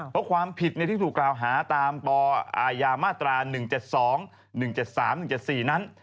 เพราะความผิดที่ถูกกล่าวหาตามปอายามาตรา๑๗๒๑๗๓๑๗๔นั้น